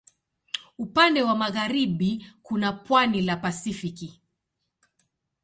Upande wa magharibi kuna pwani la Pasifiki.